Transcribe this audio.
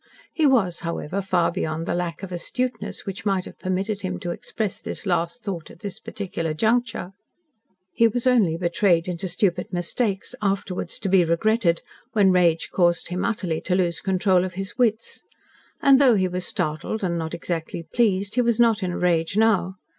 He was, however, far beyond the lack of astuteness which might have permitted him to express this last thought at this particular juncture. He was only betrayed into stupid mistakes, afterwards to be regretted, when rage caused him utterly to lose control of his wits. And, though he was startled and not exactly pleased, he was not in a rage now.